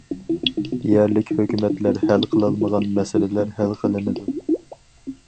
يەرلىك ھۆكۈمەتلەر ھەل قىلالمىغان مەسىلىلەر ھەل قىلىنىدۇ.